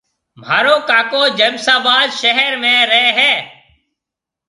مهارو ڪاڪو جمساباد شهر ۾ رهيَ هيَ۔